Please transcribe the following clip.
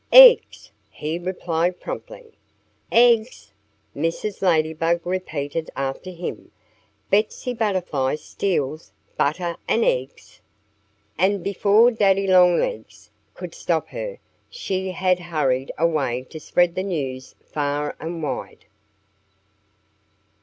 "Eggs!" he replied promptly. "Eggs!" Mrs. Ladybug repeated after him. "Betsy Butterfly steals butter and eggs!" And before Daddy Longlegs could stop her she had hurried away to spread the news far and wide.